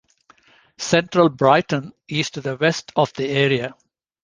Central Brighton is to the west of the area.